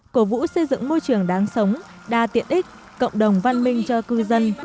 cổ vũ xây dựng môi trường đáng sống đa tiện ích cộng đồng văn minh cho cư dân